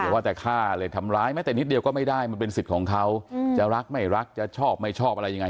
ว่าแต่ฆ่าเลยทำร้ายแม้แต่นิดเดียวก็ไม่ได้มันเป็นสิทธิ์ของเขาจะรักไม่รักจะชอบไม่ชอบอะไรยังไง